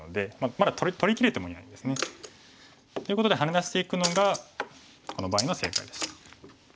まだ取りきれてもいないんですね。ということでハネ出していくのがこの場合の正解でした。